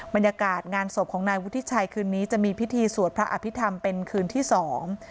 บรรยากาศงานศพของนายวุฒิชัยคืนนี้จะมีพิธีสวดพระอภิษฐรรมเป็นคืนที่สอง